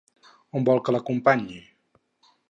On vol que l'acompanyi?